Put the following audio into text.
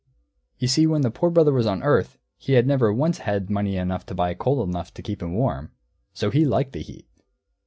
You see when the Poor Brother was on earth he had never once had money enough to buy coal enough to keep him warm; so he liked the heat.